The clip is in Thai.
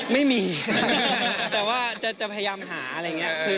ไม่มีแต่ว่าจะพยายามหาอะไรอย่างนี้